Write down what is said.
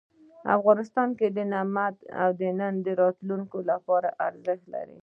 افغانستان کې نمک د نن او راتلونکي لپاره ارزښت لري.